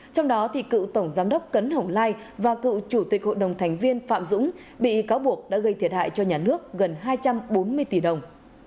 trong đó cựu tổng giám đốc cấn hồng lai và cựu chủ tịch hội đồng thành viên phạm dũng bị cáo buộc đã gây thiệt hại cho nhà nước gần hai trăm bốn mươi tỷ đồng